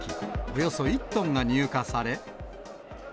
およそ１トンが入荷され。